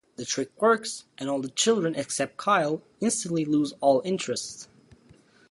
The trick works, and all the children except Kyle instantly lose all interest.